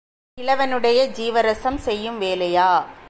கிழவனுடைய ஜீவரசம் செய்யும் வேலையா?